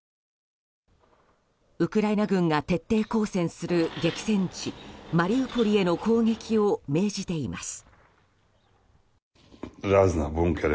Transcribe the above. ウクライナ軍が徹底抗戦する激戦地マリウポリへの攻撃を命じています。